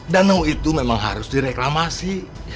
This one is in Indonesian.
danau itu memang harus direklamasi